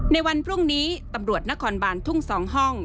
ในวันพรุ่งนี้ตำรวจนครบานทุ่ง๒ห้อง